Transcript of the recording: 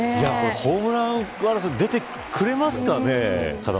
ホームラン争い出てくれますかね。